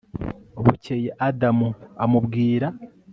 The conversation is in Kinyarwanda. Bukeye Adamu amubwira